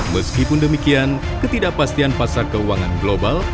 meskipun demikian ketidakpastian pasar keuangan global